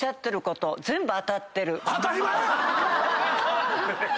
当たり前や！